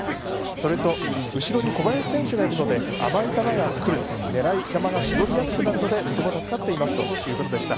それと後ろに小林選手がいるので甘い球が来る、狙い球を絞りやすくなるのでとても助かっていますと話しました。